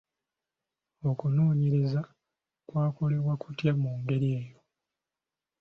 Okunoonyereza kwakolebwa kutya mu ngeri eyo?